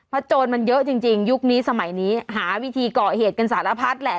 เพราะโจรมันเยอะจริงยุคนี้สมัยนี้หาวิธีเกาะเหตุกันสารพัดแหละ